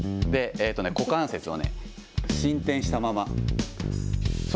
股関節をね、伸展したまま。